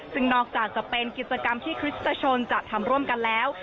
ซึ่งนอกจากจะเป็นกิจกรรมที่คริสตชนจะทำร่วมกันแล้ว